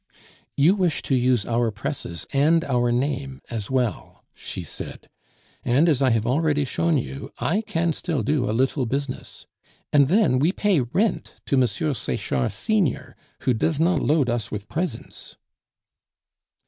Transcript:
"You wish to use our presses and our name as well," she said; "and, as I have already shown you, I can still do a little business. And then we pay rent to M. Sechard senior, who does not load us with presents."